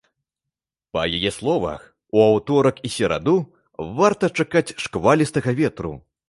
Па яе словах, у аўторак і сераду варта чакаць шквалістага ветру.